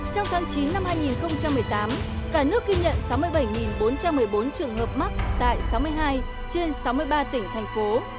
trong tháng chín năm hai nghìn một mươi tám cả nước ghi nhận sáu mươi bảy bốn trăm một mươi bốn trường hợp mắc tại sáu mươi hai trên sáu mươi ba tỉnh thành phố